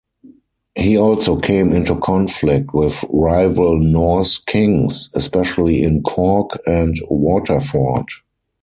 He also came into conflict with rival Norse kings, especially in Cork and Waterford.